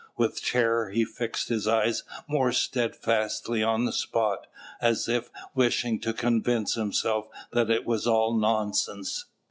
With terror he fixed his eyes more steadfastly on the spot, as if wishing to convince himself that it was all nonsense.